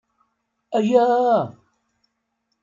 Ayaa!